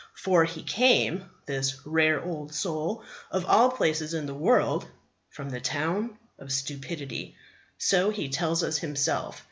For he came, this rare old soul, of all places in the world, from the Town of Stupidity. So he tells us himself.